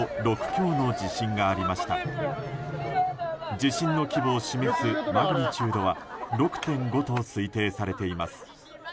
地震の規模を示すマグニチュードは６．５と推定されています。